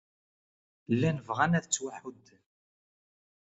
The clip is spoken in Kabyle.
Llan bɣan ad ttwaḥudden.